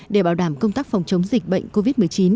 để bảo đảm công tác phòng chống dịch bệnh covid một mươi chín